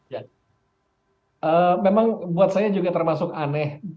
ya memang buat saya juga termasuk aneh